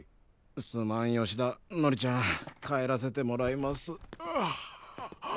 すまん吉田のりちゃん帰らせてもらいます。